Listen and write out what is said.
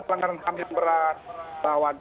pelanggaran ham yang berat